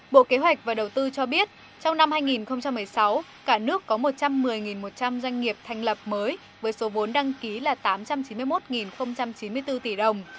bộ kế hoạch và đầu tư cho biết trong năm hai nghìn một mươi sáu cả nước có một trăm một mươi một trăm linh doanh nghiệp thành lập mới với số vốn đăng ký là tám trăm chín mươi một chín mươi bốn tỷ đồng